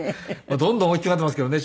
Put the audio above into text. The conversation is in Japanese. どんどん大きくなっていますけどね